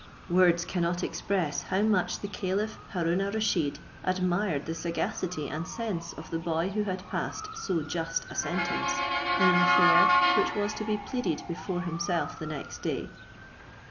Words cannot express how much the caliph Haroon al Rusheed admired the sagacity and sense of the boy who had passed so just a sentence, in an affair which was to be pleaded before himself the next day.